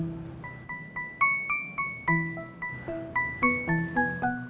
pemumun aja tuh yang bantuin saya